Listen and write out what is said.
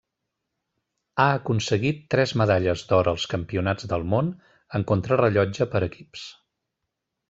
Ha aconseguit tres medalles d'or als Campionats del Món en Contrarellotge per equips.